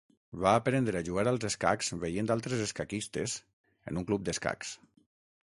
Va aprendre a jugar als escacs veient altres escaquistes en un club d'escacs.